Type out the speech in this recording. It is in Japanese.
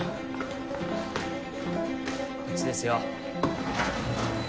こっちですよ。